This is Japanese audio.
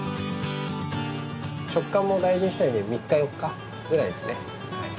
食感も大事にしたいので３日４日ぐらいですね。